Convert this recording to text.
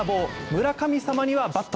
村神様にはバット。